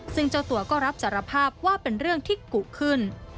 ซึ่งเจ้าตัวก็รับสารภาพว่าเป็นเรื่องที่กุขึ้น